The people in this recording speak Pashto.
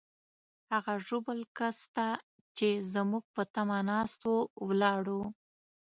هغه ژوبل کس ته چې زموږ په تمه ناست وو، ولاړو.